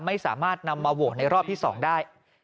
ไม่สามารถนำมาโหวตในรอบที่๒ได้